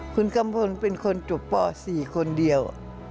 คุณกัมพลเป็นคนจบป๔คนเดียว